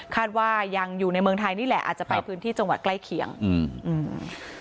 ว่ายังอยู่ในเมืองไทยนี่แหละอาจจะไปพื้นที่จังหวัดใกล้เคียงอืมอืม